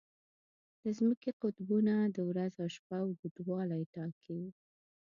د ځمکې قطبونه د ورځ او شپه اوږدوالی ټاکي.